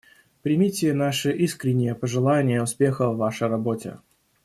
Примите наши искренние пожелания успеха в Вашей работе.